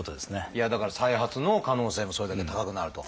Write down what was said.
いやだから再発の可能性もそれだけ高くなると。